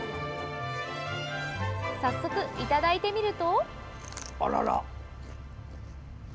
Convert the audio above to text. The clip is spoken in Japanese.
早速いただいてみると。